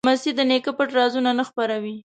لمسی د نیکه پټ رازونه نه خپروي.